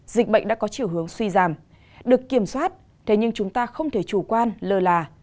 dịch bệnh đã có chiều hướng suy giảm được kiểm soát thế nhưng chúng ta không thể chủ quan lơ là